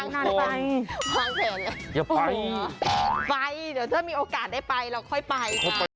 ไปเดี๋ยวเธอมีโอกาสได้ไปเราค่อยไปค่ะ